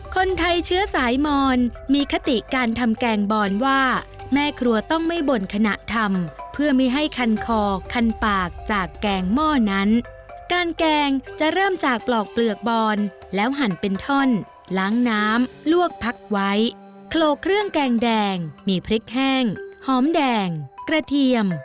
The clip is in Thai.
คนไทยเชื้อสายมอนมีคติการทำแกงบอนว่าแม่ครัวต้องไม่บ่นขณะทำเพื่อไม่ให้คันคอคันปากจากแกงหม้อนั้นการแกงจะเริ่มจากปลอกเปลือกบอนแล้วหั่นเป็นท่อนล้างน้ำลวกพักไว้โคลกเครื่องแกงแดงมีพริกแห้งหอมแดงกระเทียม